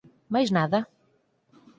Máis nada?